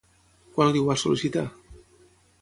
Quan li ho va sol·licitar?